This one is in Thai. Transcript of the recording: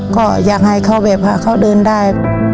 ก็อยากให้เขาแบบพาเขาเดินได้